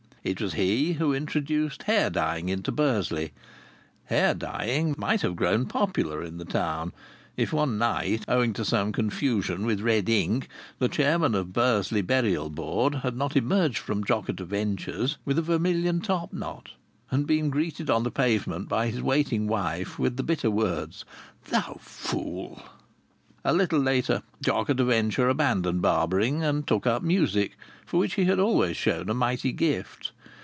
It was he who introduced hair dyeing into Bursley. Hair dyeing might have grown popular in the town if one night, owing to some confusion with red ink, the Chairman of the Bursley Burial Board had not emerged from Jock at a Venture's with a vermilion top knot and been greeted on the pavement by his waiting wife with the bitter words: "Thou foo!" A little later Jock at a Venture abandoned barbering and took up music, for which he had always shown a mighty gift.